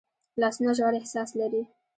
لاسونه ژور احساس لري